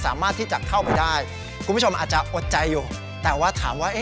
สามารถที่จะเข้าไปได้คุณผู้ชมอาจจะอดใจอยู่แต่ว่าถามว่า